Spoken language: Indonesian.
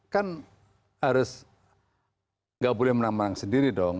kan harus nggak boleh menemanang sendiri dong